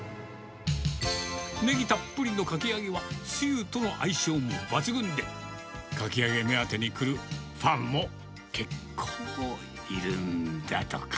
ねぎたっぷりのかき揚げは、つゆとの相性も抜群で、かき揚げ目当てに来るファンも結構いるんだとか。